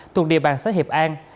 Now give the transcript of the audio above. thuộc địa bàn xã hiệp an